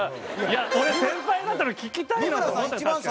俺先輩方の聞きたいなと思ったんですよ。